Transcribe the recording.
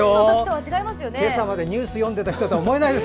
今朝までニュースを読んでいた人とは思えない。